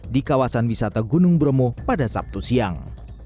di kawasan wisata gunung bromo pada sabtu siang